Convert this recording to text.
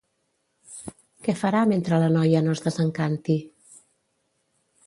Què farà mentre la noia no es desencanti?